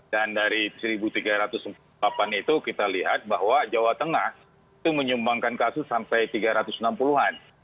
dan dari satu tiga ratus empat puluh delapan itu kita lihat bahwa jawa tengah itu menyumbangkan kasus sampai tiga ratus enam puluh an